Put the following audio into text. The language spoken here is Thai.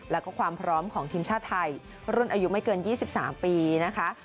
แล้วก็ความพร้อมของทีมชาติไทยรุ่นอายุไม่เกิน๒๓ปีนะคะ